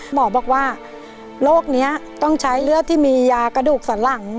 หมอบอกว่าโรคนี้ต้องใช้เลือดที่มียากระดูกสันหลัง